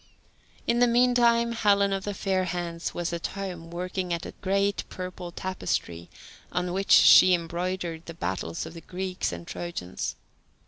In the meantime Helen of the fair hands was at home working at a great purple tapestry on which she embroidered the battles of the Greeks and Trojans.